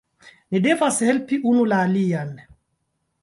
Ni devas helpi unu la alian